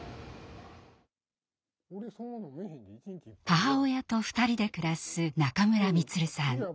母親と２人で暮らす中村満さん。